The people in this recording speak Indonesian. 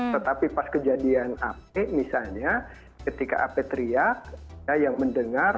tetapi pas kejadian ap misalnya ketika ape teriak yang mendengar